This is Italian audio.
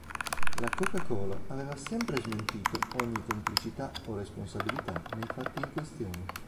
La Coca-Cola aveva sempre smentito ogni complicità o responsabilità nei fatti in questione.